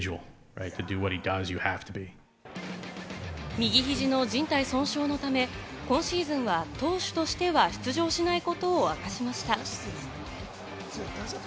右肘のじん帯損傷のため、今シーズンは投手としては出場しないことを明かしました。